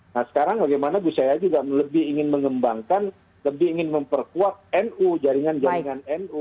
nah sekarang bagaimana gus yahya juga lebih ingin mengembangkan lebih ingin memperkuat nu jaringan jaringan nu